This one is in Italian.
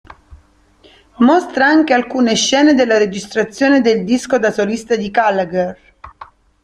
Mostra anche alcune scene della registrazione del disco da solista di Gallagher.